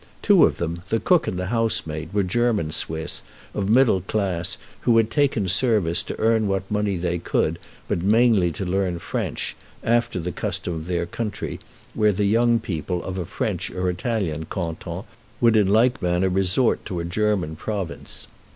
Two of them, the cook and the housemaid, were German Swiss, of middle class, who had taken service to earn what money they could, but mainly to learn French, after the custom of their country, where the young people of a French or Italian canton would in like manner resort to a German province.